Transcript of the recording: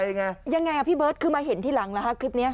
ยังไงพี่เบิร์ตคือมาเห็นที่หลังหรือครับคลิปนี้